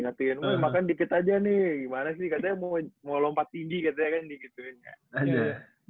ingetin gue makan dikit aja nih gimana sih katanya mau lompat tinggi katanya kan dikitin